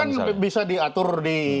kan bisa diatur di